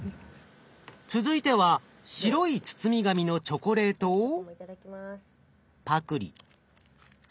続いては白い包み紙のチョコレートをパクリ。